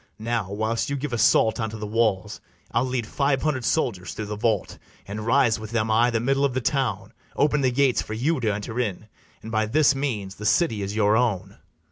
Now, whilst you give assault unto the walls, I'll lead five hundred soldiers through the vault, And rise with them i' the middle of the town, Open the gates for you to enter in; And by this means the city is your own.